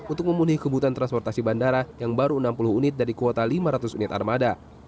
untuk memenuhi kebutuhan transportasi bandara yang baru enam puluh unit dari kuota lima ratus unit armada